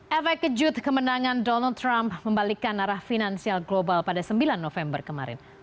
efek kejut kemenangan donald trump membalikkan arah finansial global pada sembilan november kemarin